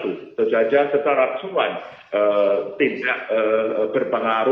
uang karta yang diedarkan pada januari dua ribu dua puluh dua meningkat sebesar sepuluh dua puluh satu yield on year